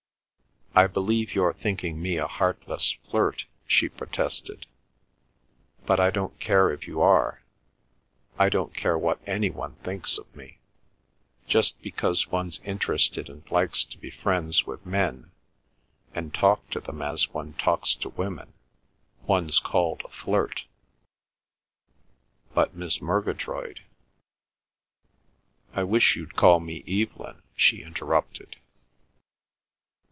"I believe you're thinking me a heartless flirt," she protested. "But I don't care if you are. I don't care what any one thinks of me. Just because one's interested and likes to be friends with men, and talk to them as one talks to women, one's called a flirt." "But Miss Murgatroyd—" "I wish you'd call me Evelyn," she interrupted.